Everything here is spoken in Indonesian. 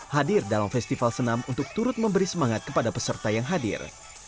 hadir dalam festival senam untuk turut memberi semangat kepada peserta yang hadir